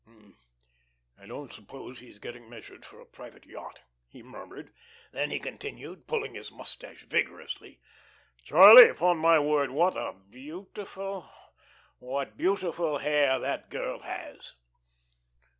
"I didn't suppose he'd be getting measured for a private yacht," he murmured. Then he continued, pulling his mustache vigorously: "Charlie, upon my word, what a beautiful what beautiful hair that girl has!"